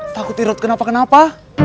takut irot kenapa kenapa